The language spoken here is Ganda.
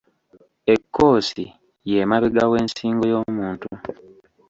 Ekkoosi y'emabega w’ensingo y'omuntu.